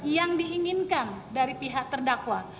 yang diinginkan dari pihak terdakwa